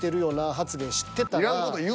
発言知ってたら。